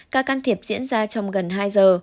các can thiệp diễn ra trong gần hai giờ